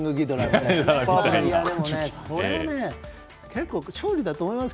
これは結構勝利だと思います。